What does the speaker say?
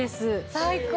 最高！